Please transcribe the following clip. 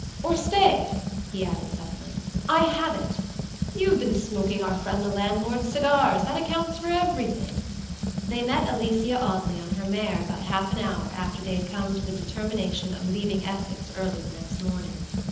Or, stay," he added, suddenly, "I have it! You've been smoking our friend the landlord's cigars; that accounts for everything." They met Alicia Audley on her mare about half an hour after they had come to the determination of leaving Essex early the next morning.